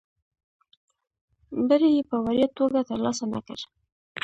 بری یې په وړیا توګه ترلاسه نه کړ.